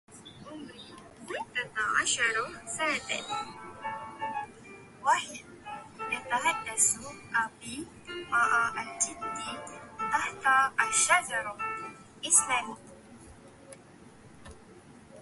رأيتك لا تلذ بطعم شيء